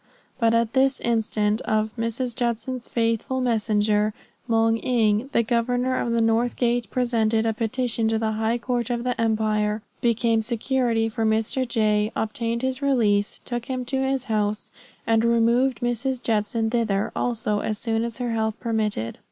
But at the instance of, Mrs. Judson's faithful messenger, Moung Ing, the governor of the north gate presented a petition to the high court of the empire, became security for Mr. J., obtained his release, took him to his house, and removed Mrs. Judson thither also as soon as her health permitted.